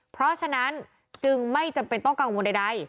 เพราะฉะนั้นจึงไม่จำเป็นต้องกังวลใด